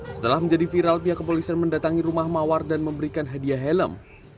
setelah menjadi viral pihak kepolisian mendatangi rumah mawar dan memberikan hadiah helm